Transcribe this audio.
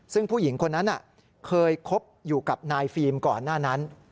ซึ่งผู้หญิงคนนั้นเคยคบอยู่กับนายฟิล์มก่อนหน้านั้น